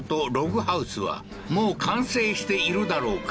もう完成しているだろうか？